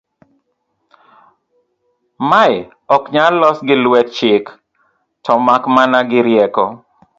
mae ok nyal los gi lwet chik to maka mana gi rieko